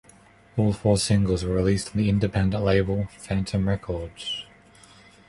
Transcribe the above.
All four singles were released on the independent label, Phantom Records.